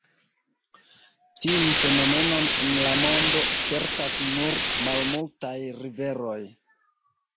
Tiun fenomenon en la mondo spertas nur malmultaj riveroj.